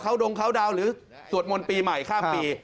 เขาดงเขาดาวนหรือสวดมนต์ปีใหม่ข้ามปี